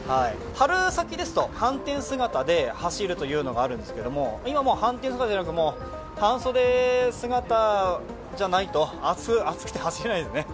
春先ですと、はんてん姿で走るというのがあるんですけれども、今もう、はんてん姿じゃなく、半袖姿じゃないと、暑くて走れないですね。